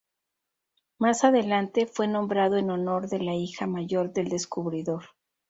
Más adelante, fue nombrado en honor de la hija mayor del descubridor.